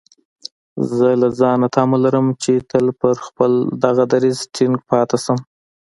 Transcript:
زه له ځانه تمه لرم چې تل پر خپل دغه دريځ ټينګ پاتې شم.